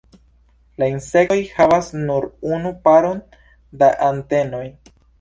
La Insektoj havas nur unu paron da antenoj.